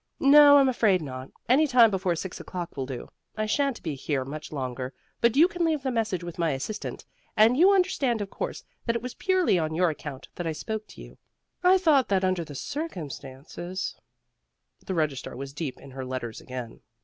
"No, I'm afraid not. Any time before six o'clock will do. I shan't be here much longer, but you can leave the message with my assistant. And you understand of course that it was purely on your account that I spoke to you. I thought that under the circumstances " The registrar was deep in her letters again.